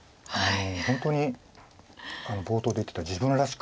本当に冒頭で言ってた自分らしく。